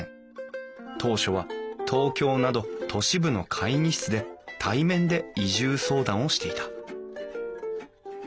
当初は東京など都市部の会議室で対面で移住相談をしていた。